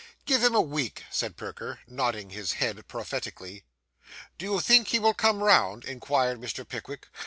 'Give him a week,' said Perker, nodding his head prophetically. 'Do you think he will come round?' inquired Mr. Pickwick.